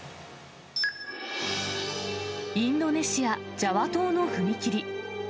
インドネシア・ジャワ島の踏切。